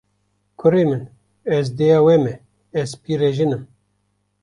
Kurê min, ez dêya we me, ez pîrejin im